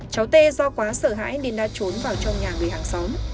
cháu tê do quá sợ hãi nên đã trốn vào trong nhà người hàng xóm